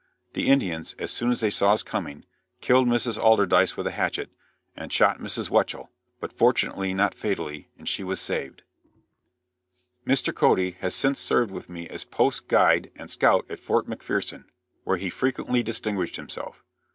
The Indians, as soon as they saw us coming, killed Mrs. Alderdice with a hatchet, and shot Mrs. Weichel, but fortunately not fatally, and she was saved. "Mr. Cody has since served with me as post guide and scout at Fort McPherson, where he frequently distinguished himself.